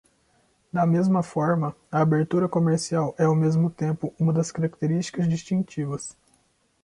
Da mesma forma, a abertura comercial é ao mesmo tempo uma das características distintivas.